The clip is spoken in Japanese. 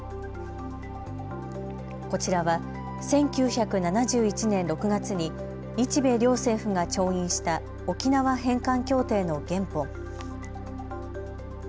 こちらは１９７１年６月に日米両政府が調印した沖縄返還協定の原本。